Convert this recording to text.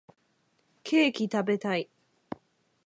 ケーキ食べたい